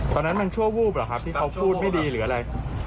ตอนนั้นมันชั่ววูบเหรอครับที่เขาพูดไม่ดีหรืออะไร